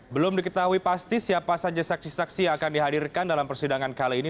belum diketahui pasti siapa saja saksi saksi yang akan dihadirkan dalam persidangan kali ini